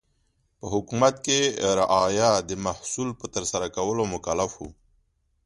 په حکومت کې رعایا د محصول په ترسره کولو مکلف و.